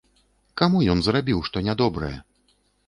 Каму ён зрабіў што нядобрае?